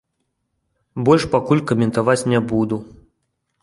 Больш пакуль каментаваць не буду.